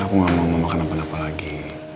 aku gak mau mama kenapa napa lagi